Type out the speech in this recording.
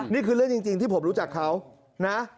นี่คือเรื่องจริงที่ผมรู้จักเขานะ